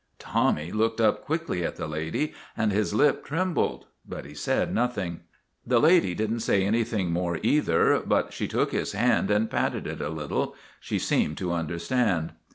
Tommy looked up quickly at the lady, and his lip trembled, but he said nothing. The lady did n't say anything more, either, but she took his hand and patted it a little. She seemed to understand.